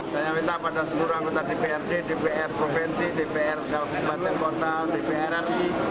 saya minta pada seluruh anggota dprd dpr provinsi dpr kabupaten kota dpr ri